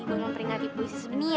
gue mau peringatin puisi sebenia